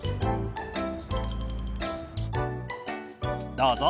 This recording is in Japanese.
どうぞ。